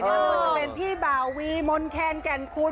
นี่ก็จะเป็นพี่บาวีมนแคนกันคูณ